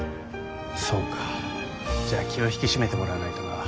そうかじゃあ気を引き締めてもらわないとな。